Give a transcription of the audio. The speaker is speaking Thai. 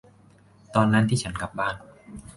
ตอนนั้นที่ฉันกลับบ้าน